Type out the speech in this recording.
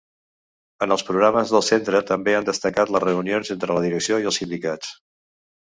En els programes del centre també han destacat les reunions entre la direcció i els sindicats.